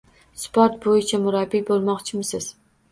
Sport bo‘yicha murabbiy bo‘lmoqchimisiz?